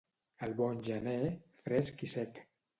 El bon gener, fresc i sec.